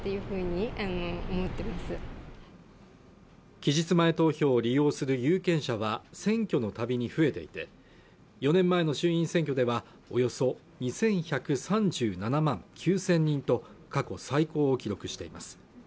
期日前に投票を利用する有権者は選挙のたびに増えていて４年前の衆院選挙ではおよそ２１３７万９０００人と過去最高を記録しています